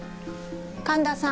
神田さん